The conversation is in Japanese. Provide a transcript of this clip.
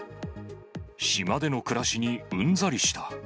島での暮らしにうんざりした。